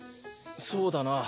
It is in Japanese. そうだな。